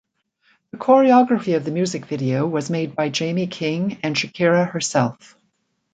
The choreography of the music video was made by Jamie King and Shakira herself.